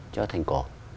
cho thành cổ